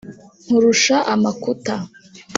Nkurusha amakuta,